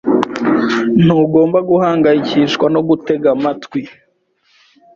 Ntugomba guhangayikishwa no gutega amatwi.